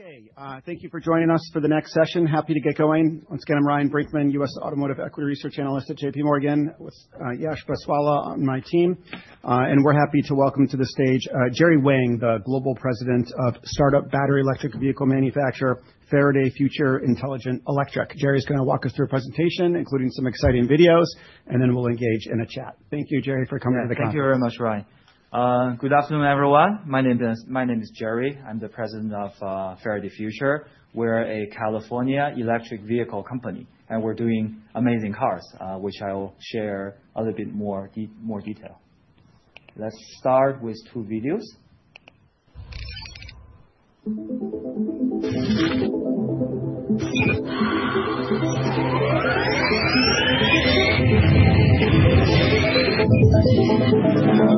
Okay, thank you for joining us for the next session. Happy to get going. Once again, I'm Ryan Brinkman, U.S. Automotive Equity Research Analyst at J.P. Morgan, with Yash Beswala on my team. We're happy to welcome to the stage Jerry Wang, the Global President of startup battery electric vehicle manufacturer Faraday Future Intelligent Electric Inc. Jerry is going to walk us through a presentation, including some exciting videos, and then we'll engage in a chat. Thank you, Jerry, for coming to the conference. Thank you very much, Ryan. Good afternoon, everyone. My name is Jerry. I'm the President of Faraday Future Intelligent Electric Inc. We're a California electric vehicle company, and we're doing amazing cars, which I'll share a little bit more in more detail. Let's start with two videos. This is our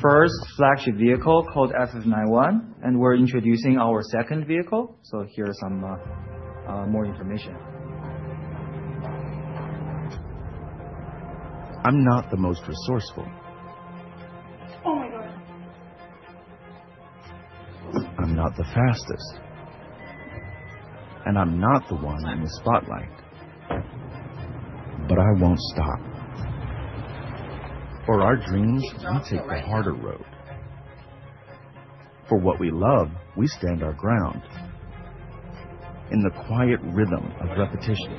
first flagship vehicle called FF 91, and we're introducing our second vehicle. Here's some more information. I'm not the most resourceful. I'm not the fastest. I'm not the one in the spotlight. I won't stop. For our dreams, I'll take the harder road. For what we love, we stand our ground. In the quiet rhythm of repetition.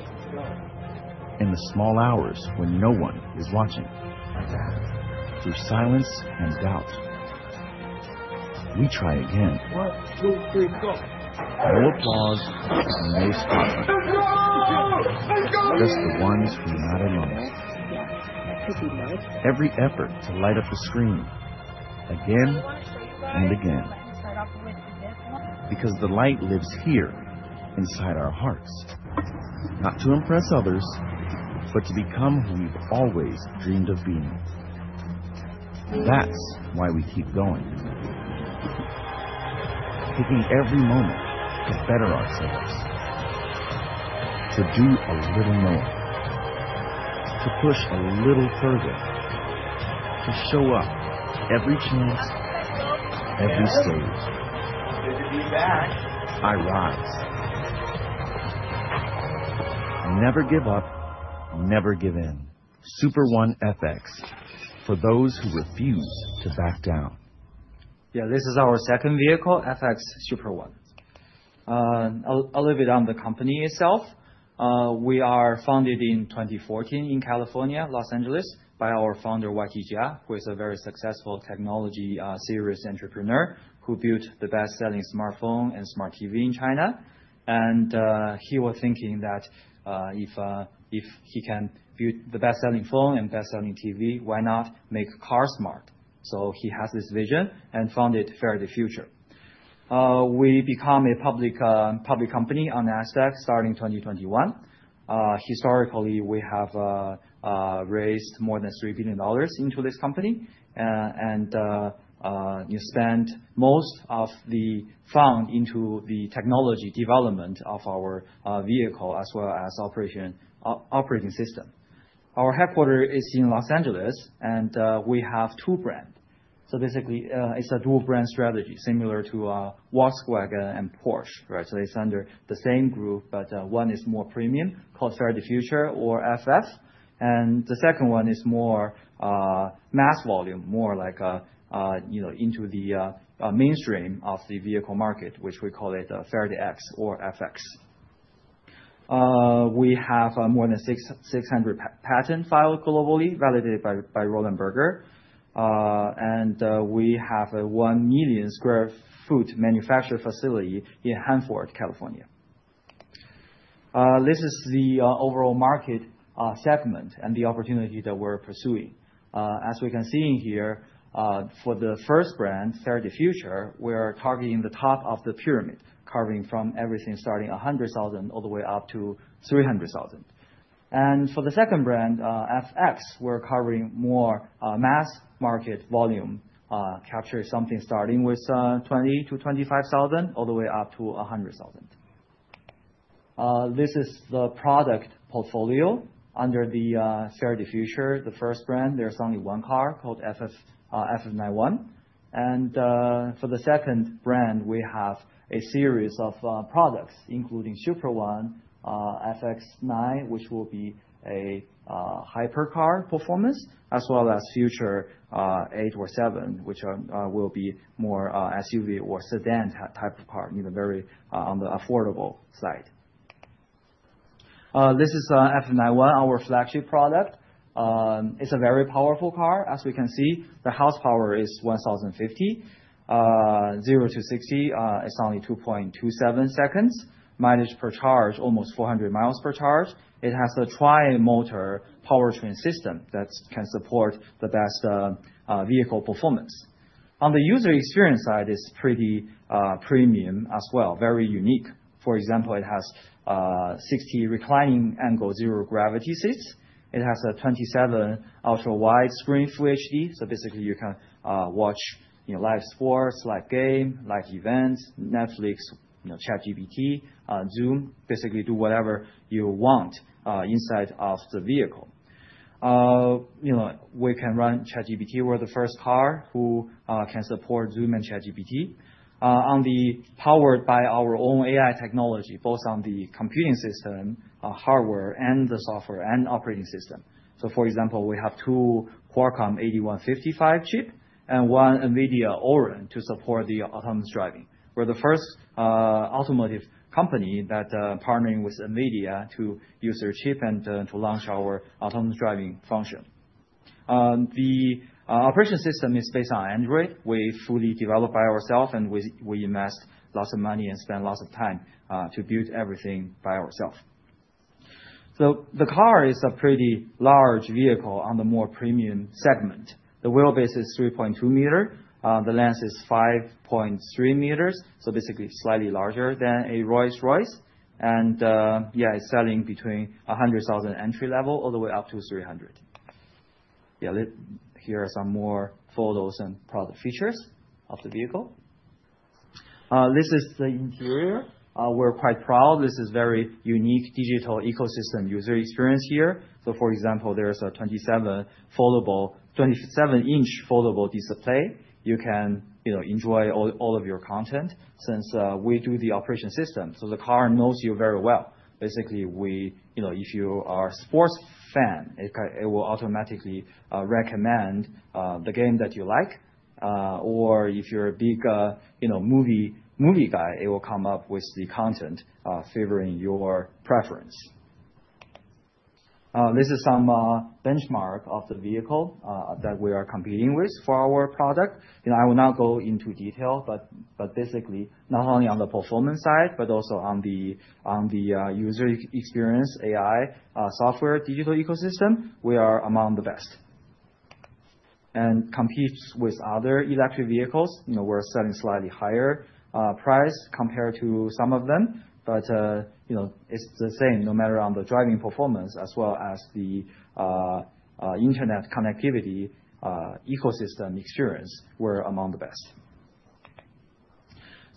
In the small hours when no one is watching. Through silence and doubt, we try again. One, two, three, four. No applause in the new spotlight. Just the ones we're not among. Every effort to light up the screen again and again. Because the light lives here inside our hearts. Not to impress others, but to become who we've always dreamed of being. That's why we keep going. Taking every moment to better ourselves. To do a little more. To push a little further. To show up every chance, every stone. I ride. I never give up, never give in. FX Super One for those who refuse to back down. Yeah, this is our second vehicle, FX Super One. A little bit on the company itself. We are founded in 2014 in California, Los Angeles, by our founder, YT Jia, who is a very successful technology series entrepreneur who built the best-selling smartphone and smart TV in China. He was thinking that if he can build the best-selling phone and best-selling TV, why not make cars smart? He has this vision and founded Faraday Future Intelligent Electric Inc. We become a public company on Nasdaq starting 2021. Historically, we have raised more than $3 billion into this company. You spend most of the funds into the technology development of our vehicle as well as the operating system. Our headquarters is in Los Angeles, and we have two brands. Basically, it's a dual-brand strategy similar to Volkswagen and Porsche. They're under the same group, but one is more premium called Faraday Future or FF. The second one is more mass volume, more like, you know, into the mainstream of the vehicle market, which we call it Faraday X or FX. We have more than 600 patents filed globally, validated by Roland Berger. We have a 1 million square foot manufacturing facility in Hanford, California. This is the overall market segment and the opportunity that we're pursuing. As we can see in here, for the first brand, Faraday Future, we are targeting the top of the pyramid, carving from everything starting $100,000 all the way up to $300,000. For the second brand, FX, we're carving more mass market volume, capturing something starting with $20,000 - $25,000 all the way up to $100,000. This is the product portfolio under Faraday Future, the first brand. There's only one car called FF 91. For the second brand, we have a series of products, including FX Super One, FX9, which will be a hypercar performance, as well as Future 8 or 7, which will be more SUV or sedan type of car, you know, very on the affordable side. This is FF 91, our flagship product. It's a very powerful car. As we can see, the horsepower is 1,050. 0 - 60, it's only 2.27 seconds. Mileage per charge, almost 400 miles per charge. It has a tri-motor powertrain system that can support the best vehicle performance. On the user experience side, it's pretty premium as well, very unique. For example, it has 60° reclining angle zero gravity seats. It has a 27-inch ultra-wide screen Full HD. Basically, you can watch live sports, live games, live events, Netflix, ChatGPT, Zoom, basically do whatever you want inside of the vehicle. We can run ChatGPT. We're the first car that can support Zoom and ChatGPT. Powered by our own AI technology, both on the computing system, hardware, and the software, and operating system. For example, we have two Qualcomm 8155 chips and one NVIDIA Orin to support the autonomous driving. We're the first automotive company that is partnering with NVIDIA to use their chip and to launch our autonomous driving function. The operation system is based on Android. We fully developed it ourselves, and we invest lots of money and spend lots of time to build everything by ourselves. The car is a pretty large vehicle on the more premium segment. The wheelbase is 3.2 meters. The length is 5.3 meters. Basically, slightly larger than a Rolls-Royce. It's selling between $100,000 entry level all the way up to $300,000. Here are some more photos and product features of the vehicle. This is the interior. We're quite proud. This is a very unique digital ecosystem user experience here. For example, there's a 27-inch foldable display. You can enjoy all of your content since we do the operation system. The car knows you very well. Basically, if you are a sports fan, it will automatically recommend the game that you like. If you're a big movie guy, it will come up with the content favoring your preference. This is some benchmark of the vehicle that we are competing with for our product. I will not go into detail, but basically, not only on the performance side, but also on the user experience, AI, software, digital ecosystem, we are among the best. It competes with other electric vehicles. We're selling at a slightly higher price compared to some of them, but it's the same. No matter on the driving performance, as well as the internet connectivity ecosystem experience, we're among the best.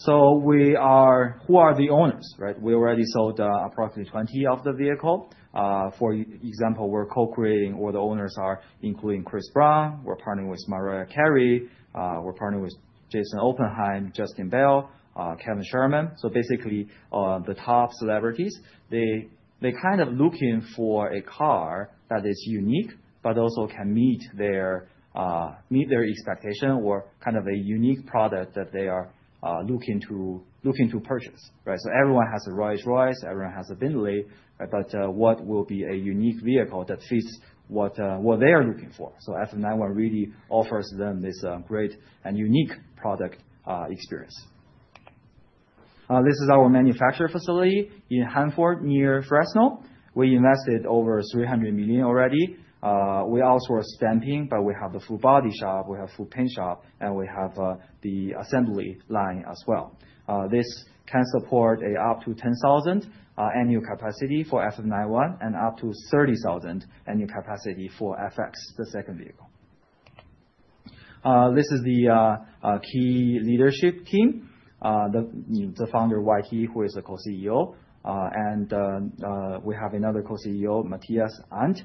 Who are the owners? We already sold approximately 20 of the vehicles. For example, we're co-creating, or the owners are including Chris Brown. We're partnering with Mariah Carey. We're partnering with Jason Oppenheim, Justin Bell, Kevin Sherman. Basically, the top celebrities, they're kind of looking for a car that is unique, but also can meet their expectations or kind of a unique product that they are looking to purchase. Everyone has a Rolls-Royce, everyone has a Bentley. What will be a unique vehicle that fits what they are looking for? FF 91 really offers them this great and unique product experience. This is our manufacturing facility in Hanford near Fresno. We invested over $300 million already. We outsource stamping, but we have the full body shop, we have the full paint shop, and we have the assembly line as well. This can support up to 10,000 annual capacity for FF 91 and up to 30,000 annual capacity for FX, the second vehicle. This is the key leadership team, the founder, YT Jia, who is the Co-CEO. We have another Co-CEO, Matthias Aydt.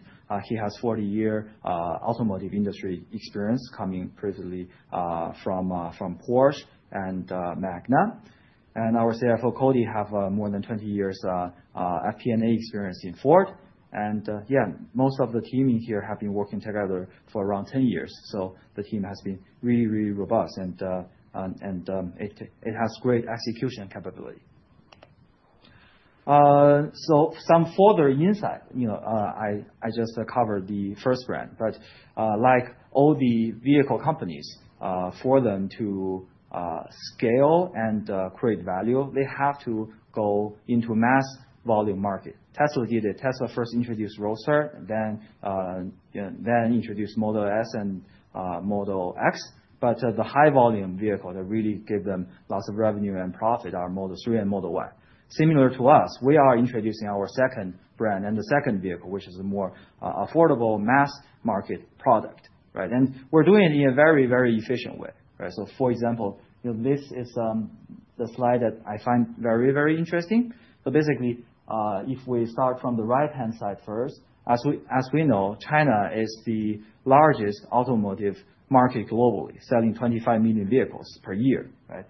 He has 40-year automotive industry experience coming previously from Porsche and Magna. Our CFO, Koti Meka, has more than 20 years of FP&A experience in Ford. Most of the team in here has been working together for around 10 years. The team has been really, really robust, and it has great execution capability. Some further insight, I just covered the first brand. Like all the vehicle companies, for them to scale and create value, they have to go into a mass volume market. Tesla did it. Tesla first introduced Roadster, then introduced Model S and Model X. The high-volume vehicle that really gave them lots of revenue and profit are Model 3 and Model Y. Similar to us, we are introducing our second brand and the second vehicle, which is a more affordable mass market product, right? We're doing it in a very, very efficient way. For example, this is the slide that I find very, very interesting. Basically, if we start from the right-hand side first, as we know, China is the largest automotive market globally, selling 25 million vehicles per year, right?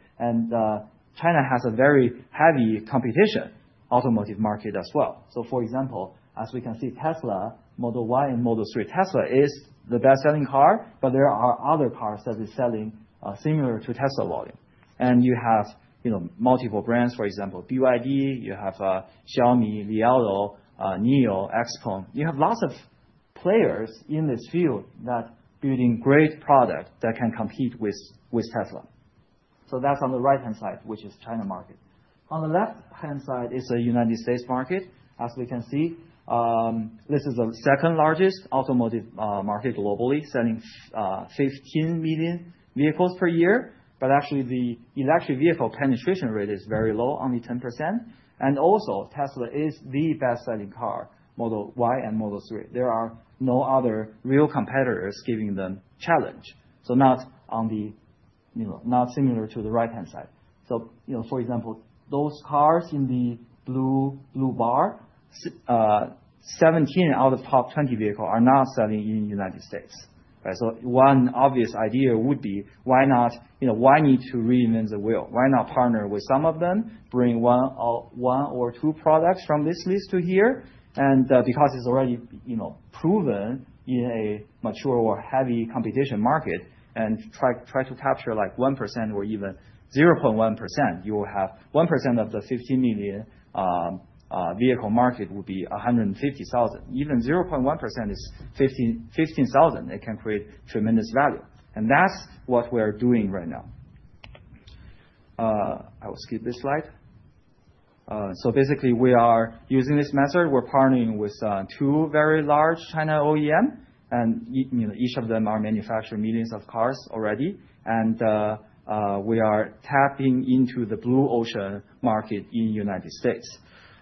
China has a very heavy competition automotive market as well. For example, as we can see, Tesla Model Y and Model 3, Tesla is the best-selling car, but there are other cars that are selling similar to Tesla volume. You have multiple brands, for example, BYD, you have Xiaomi, Li Auto, NIO, Xpeng. You have lots of players in this field that are building great products that can compete with Tesla. That's on the right-hand side, which is the China market. On the left-hand side is the United States market. As we can see, this is the second largest automotive market globally, selling 15 million vehicles per year. Actually, the electric vehicle penetration rate is very low, only 10%. Also, Tesla is the best-selling car, Model Y and Model 3. There are no other real competitors giving them a challenge, not similar to the right-hand side. For example, those cars in the blue bar, 17 out of the top 20 vehicles are not selling in the United States, right? One obvious idea would be, why not, you know, why need to reinvent the wheel? Why not partner with some of them, bring one or two products from this list to here? Because it's already, you know, proven in a mature or heavy competition market, and try to capture like 1% or even 0.1%. You will have 1% of the 15 million vehicle market would be 150,000. Even 0.1% is 15,000, it can create tremendous value. That's what we're doing right now. I will skip this slide. Basically, we are using this method. We're partnering with two very large China OEMs, and each of them manufactures millions of cars already. We are tapping into the blue ocean market in the United States.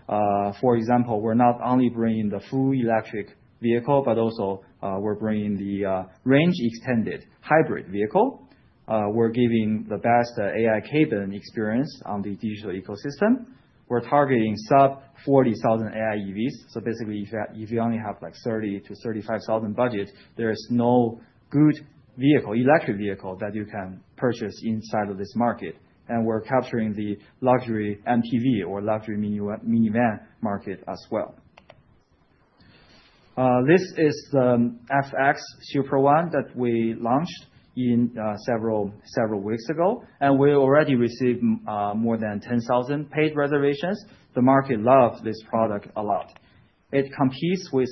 For example, we're not only bringing the full electric vehicle, but also we're bringing the range-extended hybrid vehicle. We're giving the best AI cabin experience on the digital ecosystem. We're targeting sub-$40,000 AI EVs. Basically, if you only have like $30,000 -$35,000 budget, there's no good electric vehicle that you can purchase inside of this market. We're capturing the luxury MPV or luxury minivan market as well. This is the FX Super One that we launched several weeks ago. We already received more than 10,000 paid reservations. The market loves this product a lot. It competes with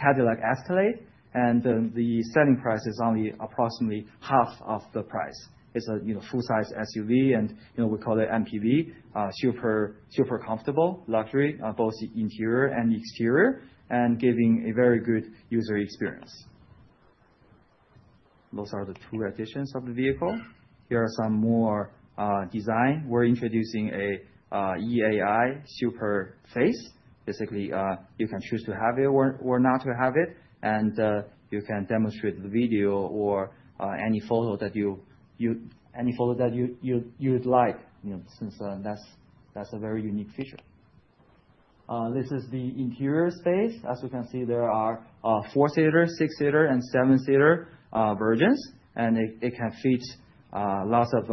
Cadillac Escalade. The selling price is only approximately half of the price. It's a full-size SUV, and we call it MPV, super comfortable, luxury, both the interior and the exterior, and giving a very good user experience. Those are the two editions of the vehicle. Here are some more designs. We're introducing an EAI Super Face. Basically, you can choose to have it or not to have it. You can demonstrate the video or any photo that you'd like, since that's a very unique feature. This is the interior space. As you can see, there are four-seater, six-seater, and seven-seater versions. It can fit lots of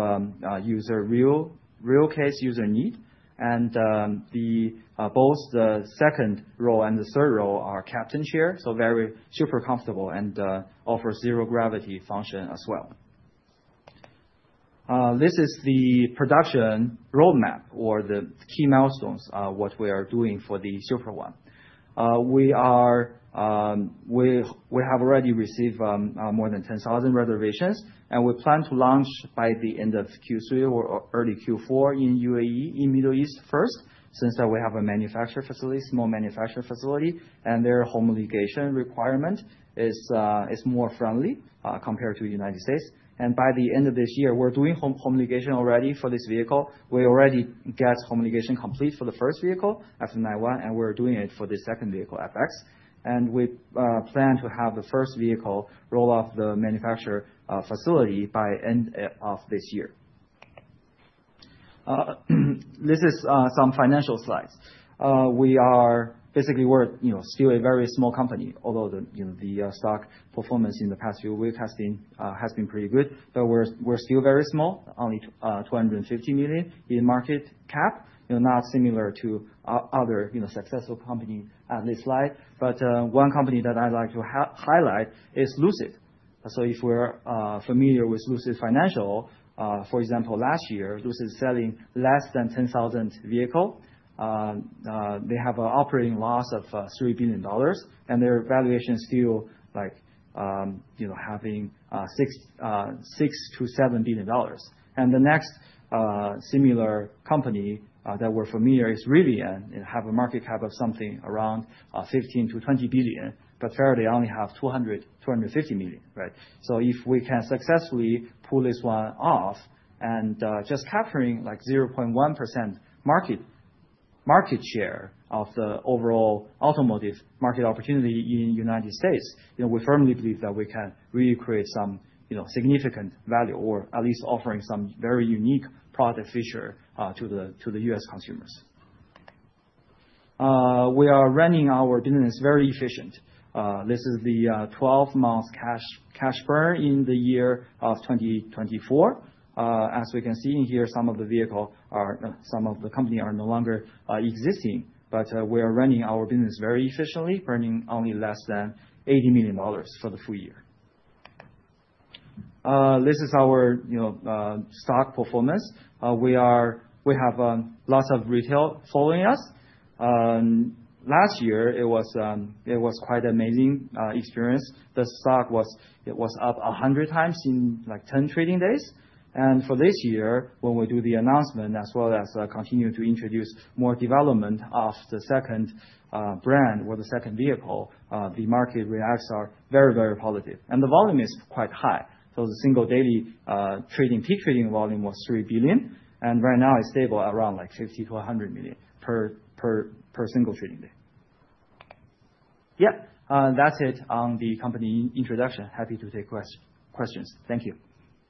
real-case user needs. Both the second row and the third row are captain chairs, so very super comfortable and offer zero gravity function as well. This is the production roadmap or the key milestones of what we are doing for the Super One. We have already received more than 10,000 reservations. We plan to launch by the end of Q3 or early Q4 in UAE, in the Middle East first, since we have a manufacturing facility, a small manufacturing facility. Their homologation requirement is more friendly compared to the United States. By the end of this year, we're doing homologation already for this vehicle. We already got homologation complete for the first vehicle, FF 91. We're doing it for the second vehicle, FX. We plan to have the first vehicle rolled off the manufacturing facility by the end of this year. This is some financial slides. We're basically, we're still a very small company, although the stock performance in the past few weeks has been pretty good. We're still very small, only $250 million in market cap. Not similar to other successful companies on this slide. One company that I'd like to highlight is Lucid. If you're familiar with Lucid Financial, for example, last year, Lucid was selling less than 10,000 vehicles. They have an operating loss of $3 billion. Their valuation is still like having $6 -$7 billion. The next similar company that we're familiar with is Rivian. They have a market cap of something around $15 - $20 billion. Faraday only has $200, $250 million. Right? If we can successfully pull this one off and just capture 0.1% market share of the overall automotive market opportunity in the United States, we firmly believe that we can really create some significant value or at least offer some very unique product features to the U.S. consumers. We are running our business very efficiently. This is the 12 months cash burn in the year of 2024. As we can see in here, some of the vehicles or some of the companies are no longer existing. We are running our business very efficiently, burning only less than $80 million for the full year. This is our stock performance. We have lots of retailers following us. Last year, it was quite an amazing experience. The stock was up 100 times in 10 trading days. For this year, when we do the announcement, as well as continue to introduce more developments of the second brand or the second vehicle, the market reactions are very, very positive and the volume is quite high. The single daily peak trading volume was $3 billion. Right now, it's stable at around $60 - $100 million per single trading day. That's it on the company introduction. Happy to take questions. Thank you.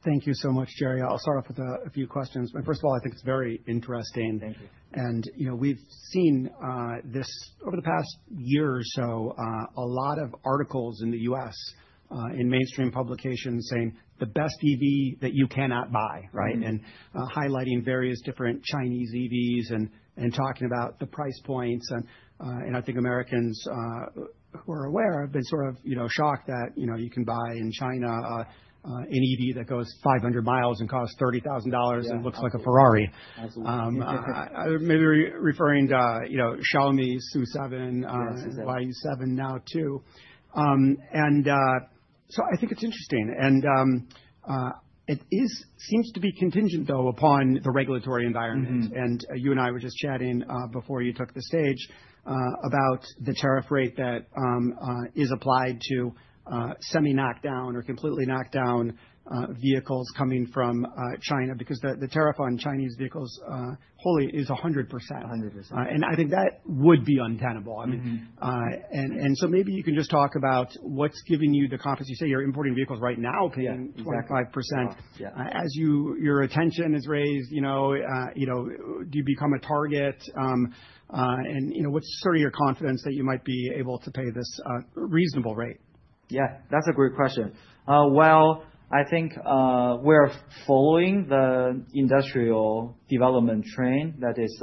Thank you so much, Jerry. I'll start off with a few questions. First of all, I think it's very interesting. Thank you. Over the past year or so, a lot of articles in the U.S. in mainstream publications have said the best EV that you cannot buy, highlighting various different Chinese EVs and talking about the price points. I think Americans who are aware have been sort of shocked that you can buy in China an EV that goes 500 miles and costs $30,000 and looks like a Ferrari. Absolutely. Maybe referring to Xiaomi's SU7, YU7 now too. I think it's interesting. It seems to be contingent, though, upon the regulatory environment. You and I were just chatting before you took the stage about the tariff rate that is applied to semi-knocked down or completely knocked down vehicles coming from China, because the tariff on Chinese vehicles is 100%. 100%. I think that would be untenable. Maybe you can just talk about what's giving you the confidence. You say you're importing vehicles right now paying 5%. Yeah. As your attention is raised, do you become a target? What's sort of your confidence that you might be able to pay this reasonable rate? That's a great question. I think we're following the industrial development train that is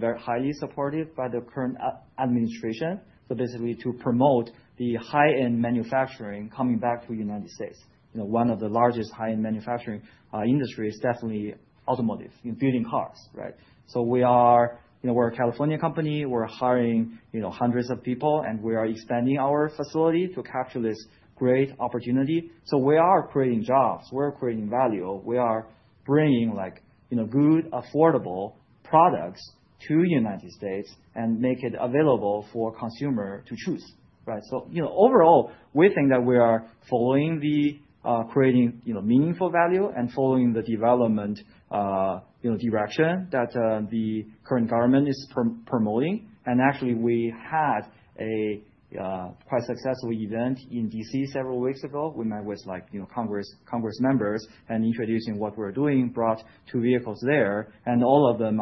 very highly supported by the current administration, basically to promote the high-end manufacturing coming back to the United States. One of the largest high-end manufacturing industries is definitely automotive, building cars, right? We are a California company. We're hiring hundreds of people, and we are expanding our facility to capture this great opportunity. We are creating jobs, we're creating value, and we are bringing good, affordable products to the United States and make it available for consumers to choose, right? Overall, we think that we are creating meaningful value and following the development direction that the current government is promoting. Actually, we had a quite successful event in DC several weeks ago. We met with Congress members and introduced what we're doing, brought two vehicles there, and all of them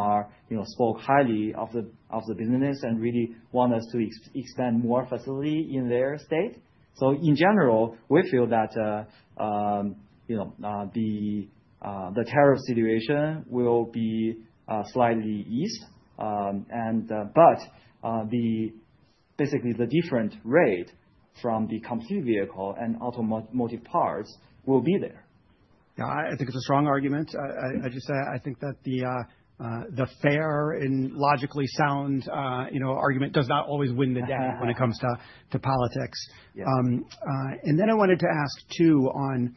spoke highly of the business and really wanted us to expand more facilities in their state. In general, we feel that the tariff situation will be slightly eased. Basically, the different rate from the complete vehicle and automotive parts will be there. Yeah, I think it's a strong argument. I just say I think that the fair and logically sound argument does not always win the day when it comes to politics. I wanted to ask too on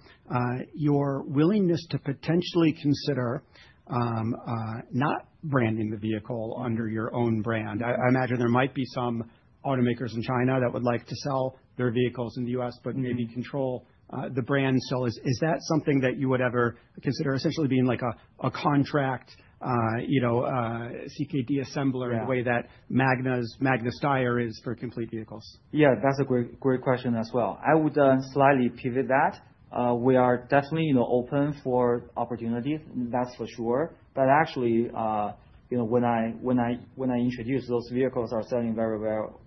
your willingness to potentially consider not branding the vehicle under your own brand. I imagine there might be some automakers in China that would like to sell their vehicles in the U.S., but maybe control the brand still. Is that something that you would ever consider, essentially being like a contract CKD assembler in the way that Magna's Magna Steyr is for complete vehicles? Yeah, that's a great question as well. I would slightly pivot that. We are definitely open for opportunities, that's for sure. Actually, when I introduce those vehicles that are selling very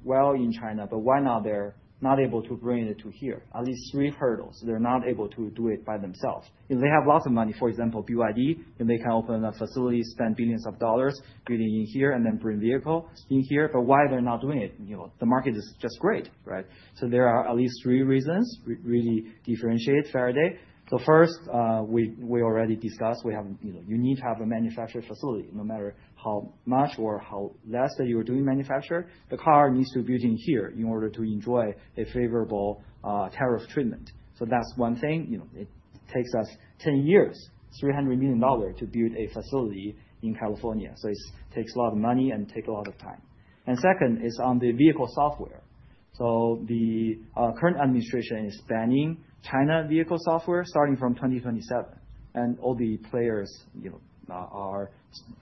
well in China, why are they not able to bring it to here? At least three hurdles. They're not able to do it by themselves. They have lots of money. For example, BYD, they can open a facility, spend billions of dollars building in here, and then bring vehicles in here. Why are they not doing it? The market is just great, right? There are at least three reasons that really differentiate Faraday Future. First, we already discussed, you need to have a manufacturing facility. No matter how much or how less that you're doing manufacturing, the car needs to be built in here in order to enjoy a favorable tariff treatment. That's one thing. It takes us 10 years, $300 million to build a facility in California. It takes a lot of money and takes a lot of time. Second is on the vehicle software. The current administration is banning China vehicle software starting from 2027, and all the players are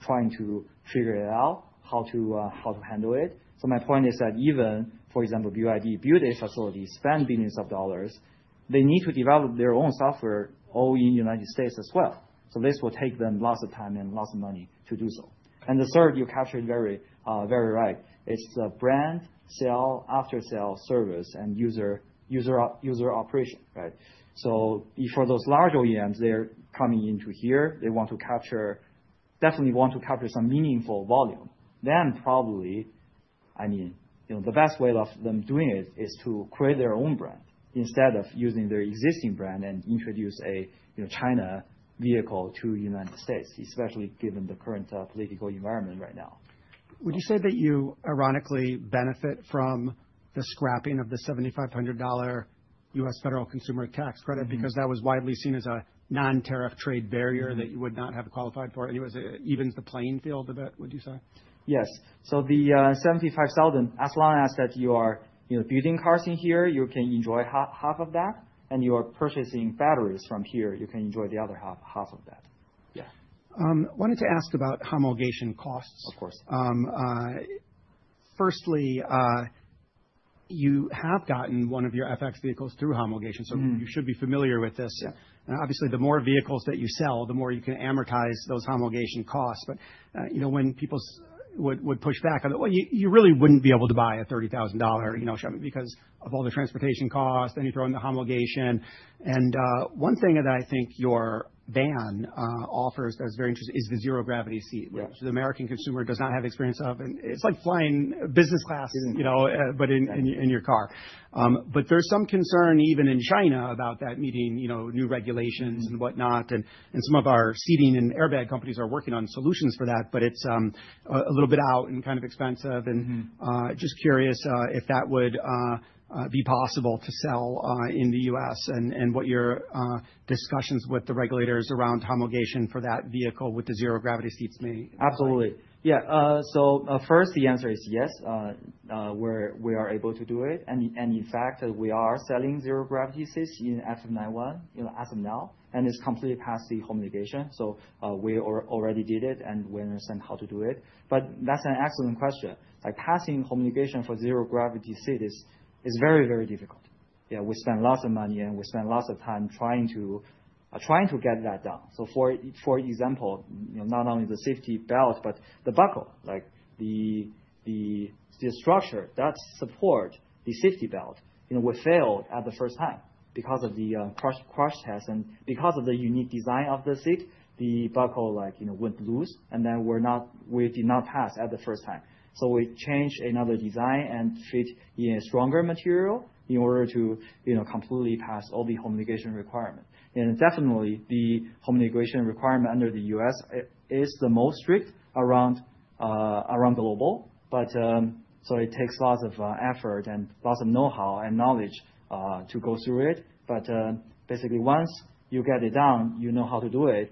trying to figure it out, how to handle it. My point is that even, for example, BYD built a facility, spent billions of dollars, they need to develop their own software all in the United States as well. This will take them lots of time and lots of money to do so. The third, you're capturing very, very right, is the brand sale after sale service and user operation, right? For those large OEMs, they're coming into here. They want to capture, definitely want to capture some meaningful volume. Probably, the best way of them doing it is to create their own brand instead of using their existing brand and introduce a China vehicle to the United States, especially given the current political environment right now. Would you say that you ironically benefit from the scrapping of the $7,500 U.S. federal consumer tax credit because that was widely seen as a non-tariff trade barrier that you would not have qualified for? It evened the playing field a bit, would you say? Yes. The $75,000, as long as you are building cars in here, you can enjoy half of that. If you are purchasing batteries from here, you can enjoy the other half of that. Yeah. I wanted to ask about homologation costs. Of course. Firstly, you have gotten one of your FX vehicles through homologation. You should be familiar with this. Obviously, the more vehicles that you sell, the more you can amortize those homologation costs. When people would push back, you really wouldn't be able to buy a $30,000 Chevy because of all the transportation costs, then you throw in the homologation. One thing that I think your brand offers that's very interesting is the zero gravity seat, which the American consumer does not have experience of. It's like flying business class, you know, but in your car. There is some concern even in China about that needing new regulations and whatnot. Some of our seating and airbag companies are working on solutions for that. It's a little bit out and kind of expensive. I'm just curious if that would be possible to sell in the U.S. and what your discussions with the regulators around homologation for that vehicle with the zero gravity seats may be. Absolutely. Yeah. First, the answer is yes, we are able to do it. In fact, we are selling zero gravity seats in FF 91 as of now, and it's completely past the homologation. We already did it and we understand how to do it. That's an excellent question. Passing homologation for zero gravity seat is very, very difficult. We spend lots of money and we spend lots of time trying to get that done. For example, not only the safety belt, but the buckle, like the structure that supports the safety belt. We failed at the first time because of the crash test, and because of the unique design of the seat, the buckle went loose. We did not pass at the first time. We changed another design and fit in a stronger material in order to completely pass all the homologation requirements. The homologation requirement under the U.S. is the most strict around global. It takes lots of effort and lots of know-how and knowledge to go through it. Basically, once you get it done, you know how to do it.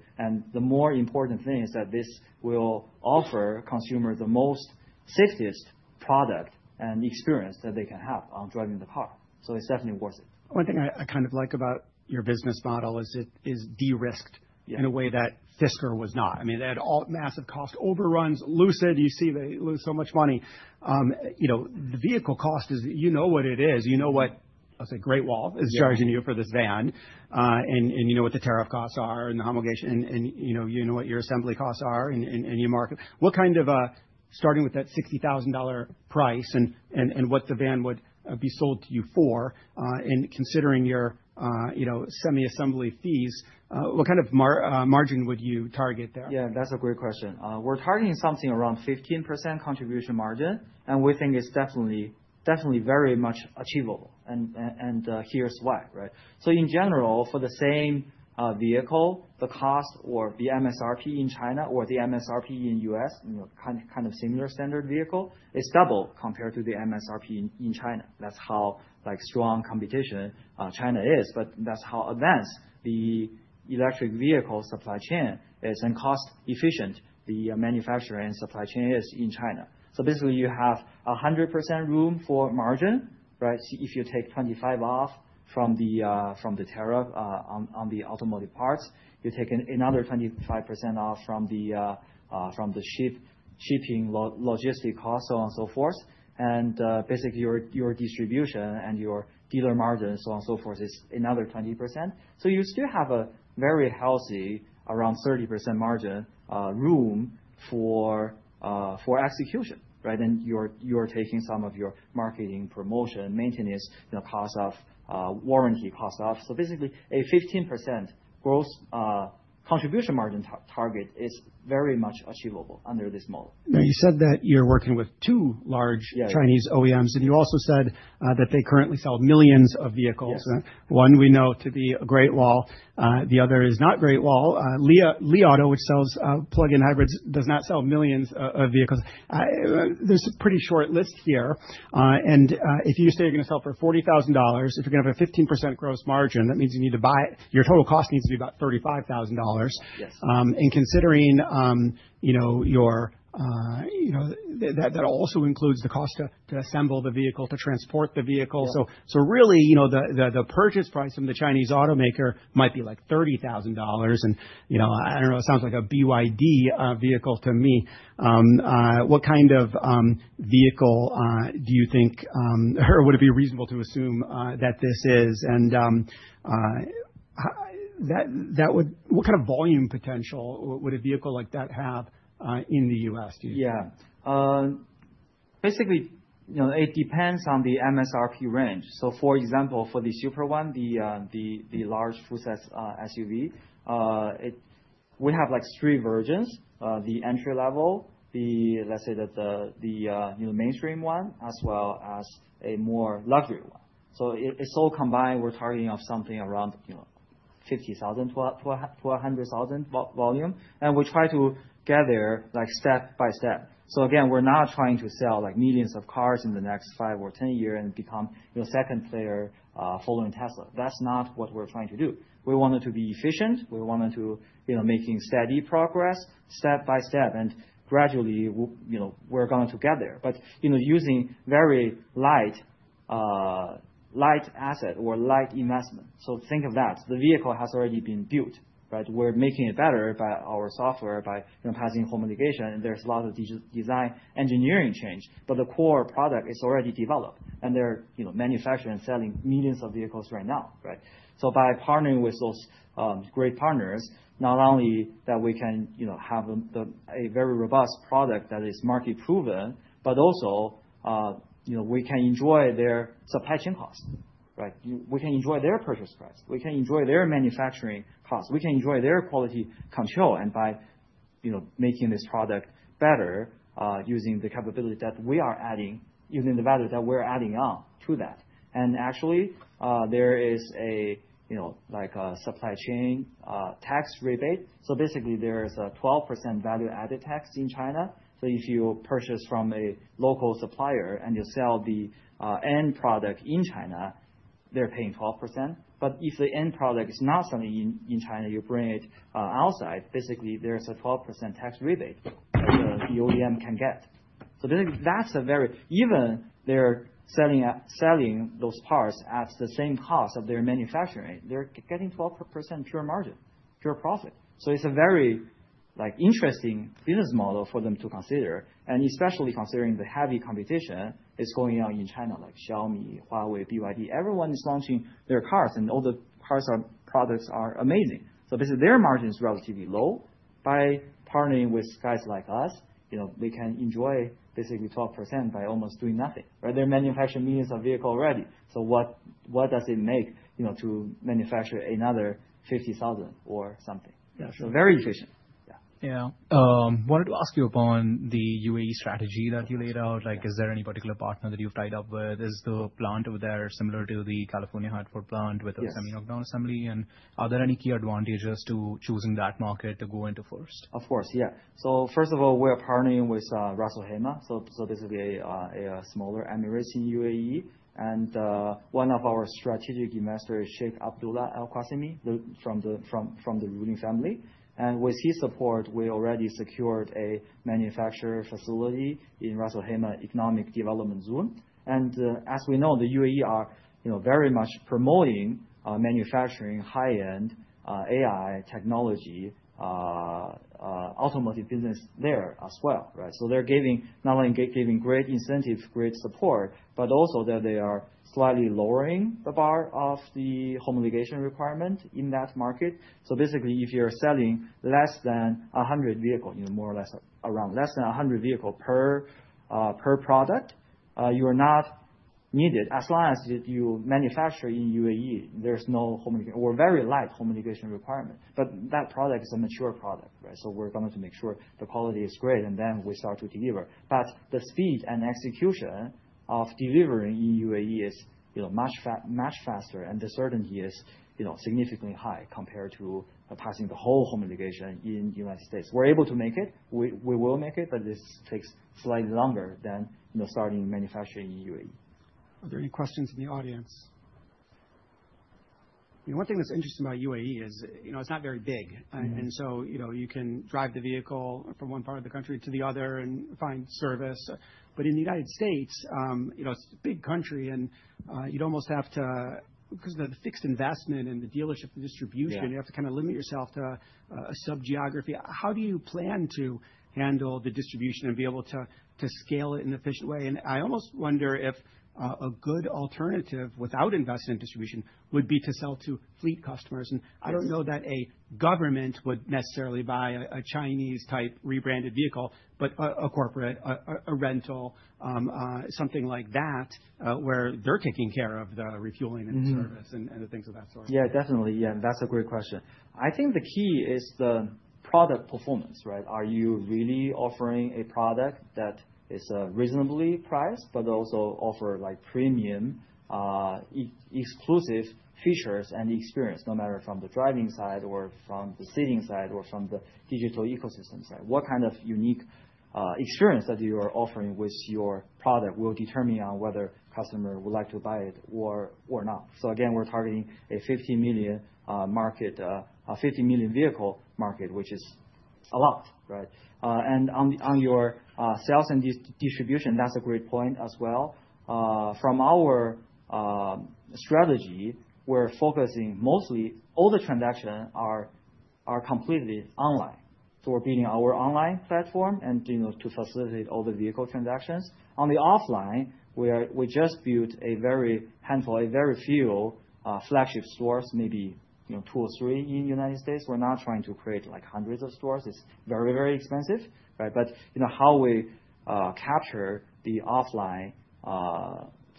The more important thing is that this will offer consumers the most safest product and experience that they can have on driving the car. It's definitely worth it. One thing I kind of like about your business model is it is de-risked in a way that Fisker was not. I mean, at all massive cost overruns, Lucid. You see they lose so much money. You know, the vehicle cost is, you know what it is. You know what I'll say Great Wall Motors is charging you for this van. You know what the tariff costs are and the homologation. You know what your assembly costs are in any market. What kind of, starting with that $60,000 price and what the van would be sold to you for, and considering your semi-assembly fees, what kind of margin would you target there? Yeah, that's a great question. We're targeting something around 15% contribution margin. We think it's definitely very much achievable, and here's why. In general, for the same vehicle, the cost or the MSRP in China or the MSRP in the U.S., kind of similar standard vehicle, is double compared to the MSRP in China. That's how strong competition China is. That's how advanced the electric vehicle supply chain is and how cost-efficient the manufacturing and supply chain is in China. Basically, you have 100% room for margin. If you take 25% off from the tariff on the automotive parts, you take another 25% off from the shipping logistic cost, and so on and so forth. Basically, your distribution and your dealer margin, and so on and so forth, is another 20%. You still have a very healthy around 30% margin room for execution. You are taking some of your marketing, promotion, maintenance, cost of warranty, cost of. Basically, a 15% gross contribution margin target is very much achievable under this model. Now, you said that you're working with two large Chinese OEMs. You also said that they currently sell millions of vehicles. One, we know to be Great Wall Motors. The other is not Great Wall Motors. Li Auto, which sells plug-in hybrids, does not sell millions of vehicles. There's a pretty short list here. If you say you're going to sell for $40,000, if you're going to have a 15% gross margin, that means you need to buy it. Your total cost needs to be about $35,000. Considering that also includes the cost to assemble the vehicle, to transport the vehicle, really, the purchase price from the Chinese automaker might be like $30,000. I don't know, it sounds like a BYD vehicle to me. What kind of vehicle do you think, or would it be reasonable to assume that this is? What kind of volume potential would a vehicle like that have in the U.S.? Yeah. Basically, it depends on the MSRP range. For example, for the FX Super One, the large full-size SUV, we have like three versions: the entry level, the, let's say, the new mainstream one, as well as a more luxury one. It's all combined. We're targeting something around 50,000 - 100,000 volume, and we try to get there step by step. We're not trying to sell millions of cars in the next five or 10 years and become a second player following Tesla. That's not what we're trying to do. We want it to be efficient. We want it to be making steady progress step by step. Gradually, we're going to get there, but using very light assets or light investment. Think of that. The vehicle has already been built. We're making it better by our software, by passing homologation, and there's a lot of design engineering change, but the core product is already developed. They're manufacturing and selling millions of vehicles right now, right? By partnering with those great partners, not only can we have a very robust product that is market-proven, but also we can enjoy their supply chain costs, right? We can enjoy their purchase price. We can enjoy their manufacturing costs. We can enjoy their quality control by making this product better using the capability that we are adding, using the value that we're adding on to that. Actually, there is a supply chain tax rebate. Basically, there is a 12% value-added tax in China. If you purchase from a local supplier and you sell the end product in China, they're paying 12%. If the end product is not selling in China, you bring it outside, basically, there's a 12% tax rebate that the OEM can get. That's a very, even if they're selling those parts at the same cost of their manufacturing, they're getting 12% pure margin, pure profit. It's a very interesting business model for them to consider, especially considering the heavy competition that's going on in China, like Xiaomi, Huawei, BYD, everyone is launching their cars, and all the cars' products are amazing. Basically, their margin is relatively low. By partnering with guys like us, we can enjoy basically 12% by almost doing nothing. They're manufacturing millions of vehicles already. What does it make to manufacture another 50,000 or something? Yeah, very efficient. Yeah. I wanted to ask you upon the UAE strategy that you laid out. Is there any particular partner that you've tied up with? Is the plant over there similar to the California Hanford plant Yeah with the semi-autonomous assembly? Are there any key advantages to choosing that market to go into first? Of course, yeah. First of all, we're partnering with Ras Al Khaimah. This is a smaller emirate in the UAE. One of our strategic investors is Sheikh Abdullah Al-Qasimi from the ruling family. With his support, we already secured a manufacturing facility in the Ras Al Khaimah Economic Development Zone. The UAE is very much promoting manufacturing high-end AI technology automotive business there as well, right? They're giving not only great incentives and great support, but also they are slightly lowering the bar of the homologation requirement in that market. Basically, if you're selling less than 100 vehicles, more or less around less than 100 vehicles per product, you are not needed. As long as you manufacture in the UAE, there's no homologation or very light homologation requirement. That product is a mature product, right? We're going to make sure the quality is great, and then we start to deliver. The speed and execution of delivering in the UAE is much faster, and the certainty is significantly high compared to passing the whole homologation in the United States. We're able to make it. We will make it. This takes slightly longer than starting manufacturing in the UAE. Are there any questions from the audience? One thing that's interesting about UAE is it's not very big, so you can drive the vehicle from one part of the country to the other and find service. In the United States, it's a big country, and you'd almost have to, because of the fixed investment in the dealership, the distribution, you have to kind of limit yourself to a sub-geography. How do you plan to handle the distribution and be able to scale it in an efficient way? I almost wonder if a good alternative without investment distribution would be to sell to fleet customers. I don't know that a government would necessarily buy a Chinese-type rebranded vehicle, but a corporate, a rental, something like that where they're taking care of the refueling and service and the things of that sort. Yeah, definitely. That's a great question. I think the key is the product performance, right? Are you really offering a product that is reasonably priced, but also offers premium exclusive features and experience, no matter from the driving side or from the seating side or from the digital ecosystem side? What kind of unique experience that you are offering with your product will determine whether a customer would like to buy it or not. We're targeting a 50 million vehicle market, which is a lot, right? On your sales and distribution, that's a great point as well. From our strategy, we're focusing mostly all the transactions are completely online. We're building our online platform to facilitate all the vehicle transactions. On the offline, we just built a very handful, a very few flagship stores, maybe two or three in the United States. We're not trying to create hundreds of stores. It's very, very expensive. How we capture the offline,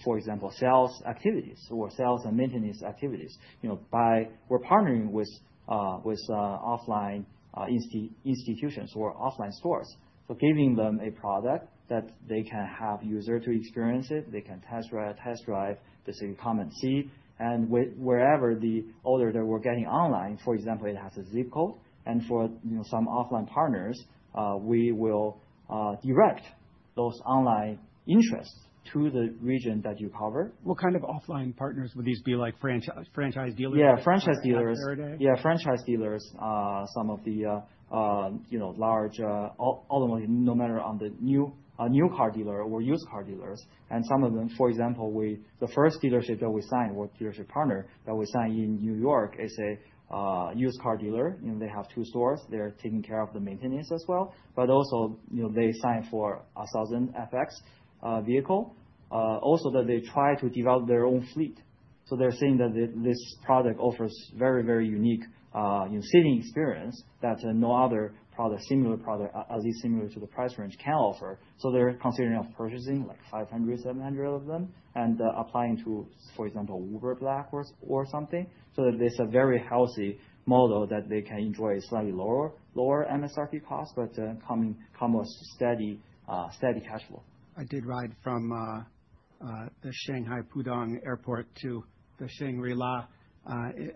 for example, sales activities or sales and maintenance activities, we're partnering with offline institutions or offline stores. Giving them a product that they can have users experience it. They can test drive the same common seat. Wherever the order that we're getting online, for example, it has a zip code. For some offline partners, we will direct those online interests to the region that you cover. What kind of offline partners would these be? Like franchise and used car dealers? Yeah, franchise dealers. Yeah, franchise dealers, some of the large automotive, no matter on the new car dealer or used car dealers. Some of them, for example, the first dealership that we signed, the dealership partner that we signed in New York, is a used car dealer. They have two stores. They're taking care of the maintenance as well. They signed for 1,000 FX vehicles. They try to develop their own fleet. They're saying that this product offers a very, very unique seating experience that no other product, similar product, at least similar to the price range, can offer. They're considering purchasing like 500, 700 of them and applying to, for example, Uber Black or something. It's a very healthy model that they can enjoy a slightly lower MSRP cost, but coming with steady cash flow. I did ride from the Shanghai Pudong Airport to the Shangri-La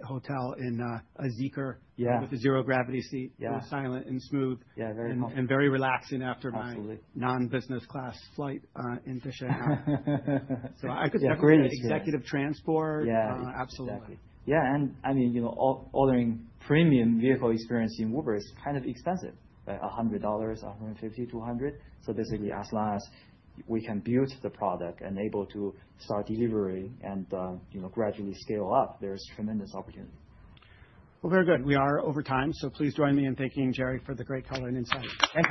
Hotel in a Zeekr with a zero gravity seat. Yeah. Silent and smooth. Yeah, very comfortable. was very relaxing after my non-business class flight in Peshawar. Yeah, great experience. Executive transport. Yeah. Absolutely. Yeah, I mean, you know, ordering premium vehicle experience in Uber is kind of expensive, like $100, $150, $200. Basically, as long as we can build the product and be able to start delivering and gradually scale up, there's tremendous opportunity. We are over time. Please join me in thanking Jerry for the great call and insight. Thank you.